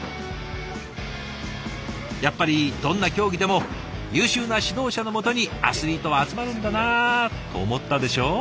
やっぱりどんな競技でも優秀な指導者の下にアスリートは集まるんだなと思ったでしょ？